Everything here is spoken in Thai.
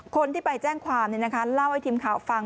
คนที่ไปแจ้งความเล่าให้ทีมข่าวฟัง